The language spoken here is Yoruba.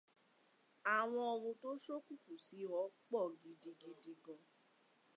Àwọn ohun tó ṣókùnkùn sí ọ pọ̀ gidigidi gan.